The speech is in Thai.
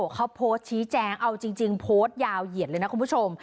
เขาโพสต์ชี้แจงเอาจริงโพสต์ยาวเหยียดเลยนะคุณผู้ชม